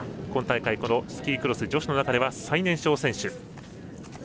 今大会、スキークロス女子の中で最年少選手。